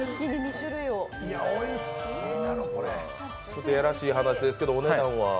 ちょっといやらしい話ですけど、お値段は？